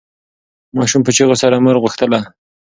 ماشوم په چیغو سره مور غوښتله.